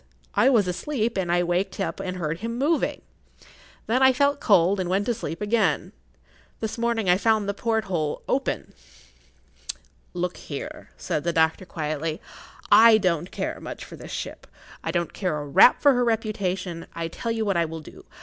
I was asleep, but I waked up and heard him moving. Then I felt cold and went to sleep again. This morning I found the porthole open." "Look here," said the doctor, quietly, "I don't care much for this ship. I don't care a rap for her reputation. I tell you what I will do.